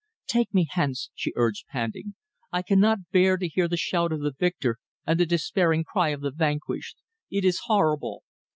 "Take me hence," she urged panting. "I cannot bear to hear the shout of the victor and the despairing cry of the vanquished. It is horrible.